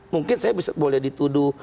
mungkin saya boleh dituduh